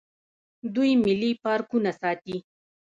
دوی ملي پارکونه ساتي.